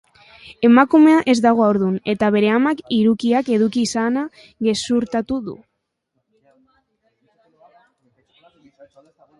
Emakumea ez dago haurdun, eta bere amak hirukiak eduki izana gezurtatu du.